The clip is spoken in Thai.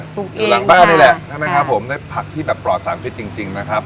ปลูกเองค่ะอยู่หลังแป้วนี้แหละใช่ไหมครับผมได้ผักที่แบบปลอดสามชีวิตจริงจริงนะครับ